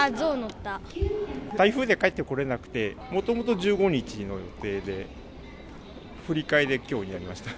台風で帰ってこれなくて、もともと１５日の予定で、振り替えできょうになりました。